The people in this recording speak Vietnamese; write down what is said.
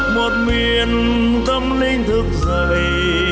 một miền tâm linh thức dậy